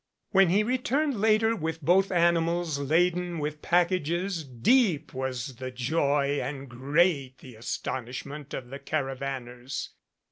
When he returned later with both animals laden with packages deep was the joy and great the astonishment of the caravaners.